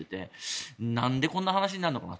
なんでこんな話になるのかと。